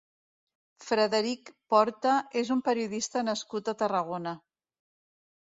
Frederic Porta és un periodista nascut a Tarragona.